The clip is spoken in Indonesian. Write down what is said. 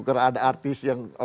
karena ada artis yang